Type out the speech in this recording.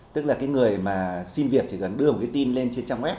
tức là người xin việc chỉ cần đưa một tin lên trên trang web